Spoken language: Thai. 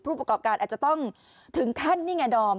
ประกอบการอาจจะต้องถึงขั้นนี่ไงดอม